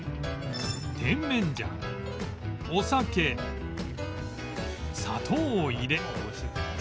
甜麺醤お酒砂糖を入れ